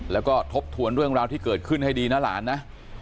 แล้วก็ทบทวนเรื่องราวที่เกิดขึ้นให้ดีนะหลานนะ